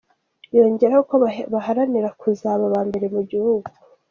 Yongeraho ko baharanira kuzaba aba mbere mu gihugu.